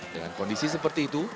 dengan kondisi seperti itu